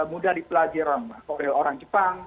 mudah dipelajari orang jepang